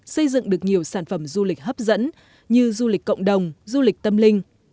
xây dựng được nhiều sản phẩm du lịch hấp dẫn như du lịch cộng đồng du lịch tâm linh